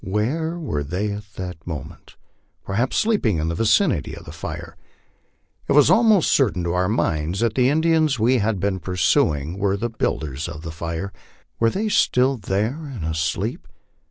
Where were they at that moment? Perhaps sleeping in the vicinity of the fire. It was almost certain to our minds that the Indians we had been pursuing were the builders of the fire. Were they still there and asleep?